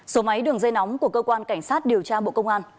số máy đường dây nóng của cơ quan cảnh sát điều tra bộ công an